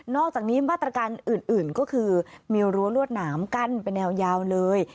อกจากนี้มาตรการอื่นก็คือมีรั้วรวดหนามกั้นเป็นแนวยาวเลย